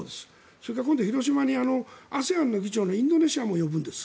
それから今度、広島にＡＳＥＡＮの議長のインドネシアも呼ぶんです。